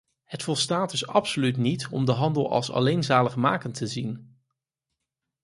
Het volstaat dus absoluut niet om de handel als alleenzaligmakend te zien.